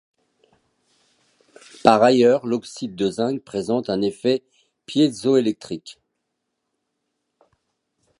Par ailleurs, l'oxyde de zinc présente un effet piézoélectrique.